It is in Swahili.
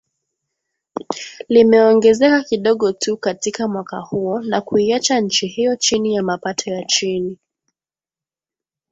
Limeongezeka kidogo tu katika mwaka huo, na kuiacha nchi hiyo chini ya mapato ya chini